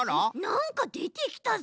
なんかでてきたぞ。